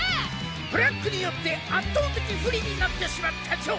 ブラックによって圧倒的不利になってしまったジョー。